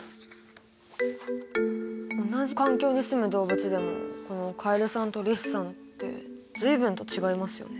同じ環境にすむ動物でもこのカエルさんとリスさんって随分と違いますよね。